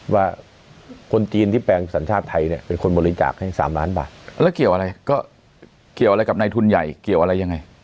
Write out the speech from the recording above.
ว่าคนจีนที่แปลงสัญชาติไทยเนี่ยเป็นคนบริจาคให้๓ล้านบาทแล้วเกี่ยวอะไรก็เกี่ยวอะไรกับในทุนใหญ่เกี่ยวอะไรยังไง